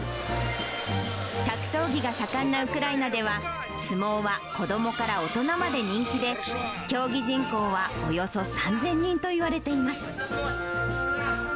格闘技が盛んなウクライナでは、相撲は子どもから大人まで人気で、競技人口はおよそ３０００人といわれています。